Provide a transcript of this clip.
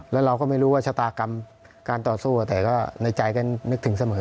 แล้วเราก็ไม่รู้ว่าชะตากรรมการต่อสู้แต่ก็ในใจก็นึกถึงเสมอ